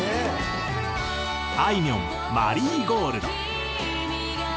あいみょん『マリーゴールド』。